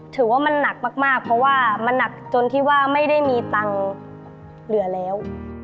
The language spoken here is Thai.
ถือว่ามันหนักมากเพราะว่ามันหนักจนที่ว่าไม่ได้มีตังค์เหลือแล้ว